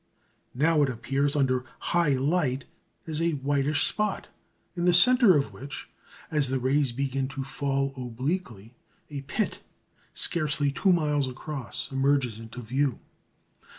Now it appears under high light as a whitish spot, in the centre of which, as the rays begin to fall obliquely, a pit, scarcely two miles across, emerges into view.